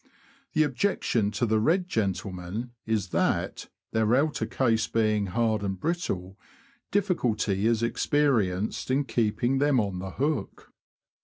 The objectio n to the red gentlemen is that, their outer case being hard and brittle, difficulty is experienced in keeping them on the hook.